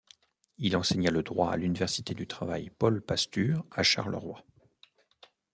Il enseigna le droit à l'Université du Travail Paul Pastur à Charleroi.